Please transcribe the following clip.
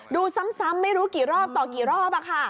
ดูซ้ำไม่รู้กี่รอบต่อกี่รอบ